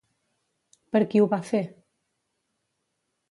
Per qui ho va fer?